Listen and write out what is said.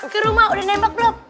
ke rumah udah nembak blok